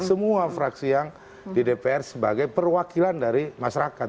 semua fraksi yang di dpr sebagai perwakilan dari masyarakat